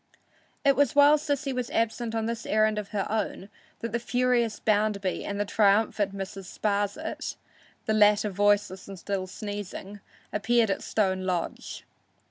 It was while Sissy was absent on this errand of her own that the furious Bounderby and the triumphant Mrs. Sparsit, the latter voiceless and still sneezing, appeared at Stone Lodge.